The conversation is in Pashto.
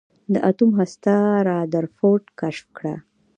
د اتوم هسته رادرفورډ کشف کړه.